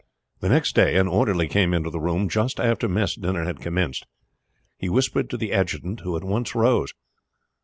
The next day an orderly came into the room just after mess dinner had commenced. He whispered to the adjutant, who at once rose.